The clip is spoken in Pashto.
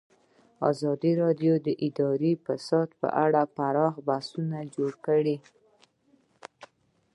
ازادي راډیو د اداري فساد په اړه پراخ بحثونه جوړ کړي.